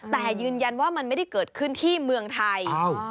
แต่ยืนยันว่ามันไม่ได้เกิดขึ้นที่เมืองไทย